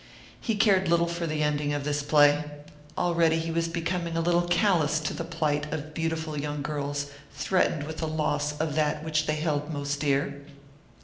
He cared little for the ending of this play. Already he was becoming a little callous to the plight of beautiful young girls threatened with the loss of that which they held most dear.